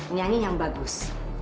nyanyi yang bagus